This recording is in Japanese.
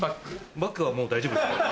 バッグはもう大丈夫ですよ。